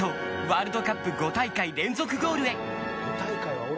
ワールドカップ５大会連続ゴールへ。